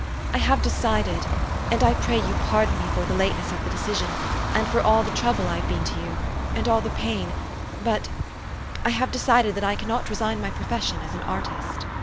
I have decided ; and I pray you pardon me for the lateness of the decision, and for all the trouble I have been to you, and all the pain but I have decided that I cannot resign my profession as an artist."